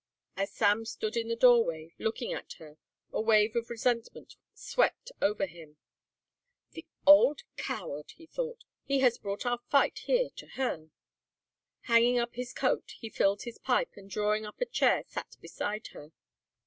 As Sam stood in the doorway looking at her a wave of resentment swept over him. "The old coward," he thought, "he has brought our fight here to her." Hanging up his coat he filled his pipe and drawing up a chair sat beside her.